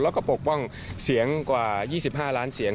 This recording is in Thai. แล้วก็ปกป้องเสียงกว่า๒๕ล้านเสียง